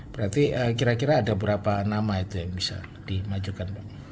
berarti kira kira ada berapa nama itu yang bisa dimajukan pak